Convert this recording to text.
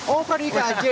oh di ikaj